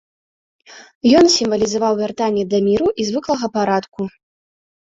Ён сімвалізаваў вяртанне да міру і звыклага парадку.